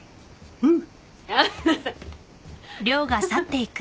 うん！